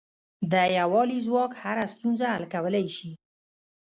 د یووالي ځواک هره ستونزه حل کولای شي.